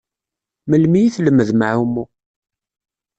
Melmi i tlemdem aɛummu?